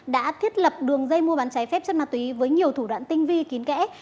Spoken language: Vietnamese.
đã thiết lập đường dây mua bán trái phép chất ma túy với nhiều thủ đoạn tinh vi kín kẽ